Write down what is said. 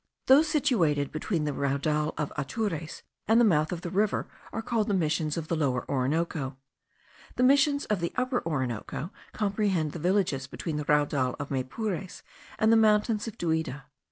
Those situated between the Raudal of Atures and the mouth of the river are called the Missions of the Lower Orinoco; the Missions of the Upper Orinoco comprehend the villages between the Raudal of Maypures and the mountains of Duida.